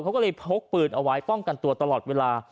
เขาก็เลยพกปืนเอาไว้ป้องกันตัวตลอดเวลา